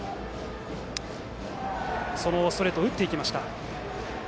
そのストレートを打っていきました。